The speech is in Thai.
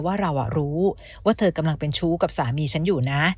ว่าเรารู้ว่าเธอกำลังเป็นชู้กับสามีฉันอยู่นะ